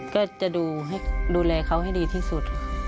ก็จะดูแลเขาให้ดีที่สุด